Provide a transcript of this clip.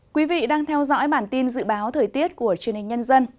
quý vị đang theo dõi bản tin dự báo thời tiết của truyền hình nhân dân